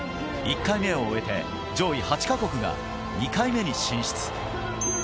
１回目を終えて上位８か国が２回目に進出。